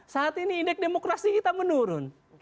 saat ini indeks demokrasi kita menurun